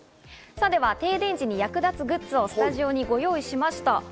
停電時に役立つグッズをスタジオにご用意しました。